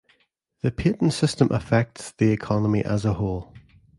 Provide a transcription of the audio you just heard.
The patent system affects the economy as a whole.